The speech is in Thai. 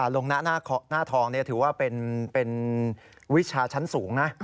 ลงหน้าทองถือว่าเป็นวิชาชั้นสูงนะ